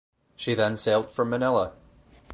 She then sailed from Manila.